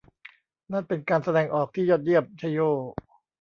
นั่นเป็นการแสดงที่ยอดเยี่ยม ! ไชโย !